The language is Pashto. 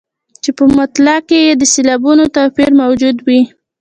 چې په مطلع کې یې د سېلابونو توپیر موجود وي.